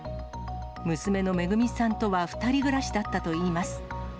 娘のめぐみさんとは２人暮らしだったといいます。